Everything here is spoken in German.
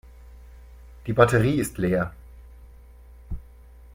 Die Batterie ist leer.